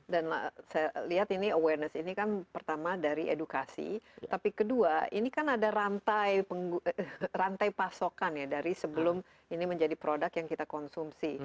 dan saya lihat ini awareness ini kan pertama dari edukasi tapi kedua ini kan ada rantai pasokan ya dari sebelum ini menjadi produk yang kita konsumsi